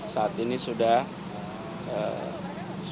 saat ini sudah sukses